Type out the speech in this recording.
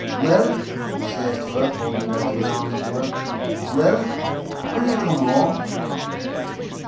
"'Lil,' he says to her, holding out his arms to her, 'Lil, will you come home?'